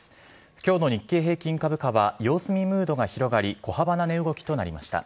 今日の日経平均株価は様子見ムードが広がり小幅な値動きとなりました。